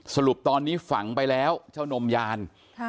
สรุปตอนนี้ฝังไปแล้วเจ้านมยาน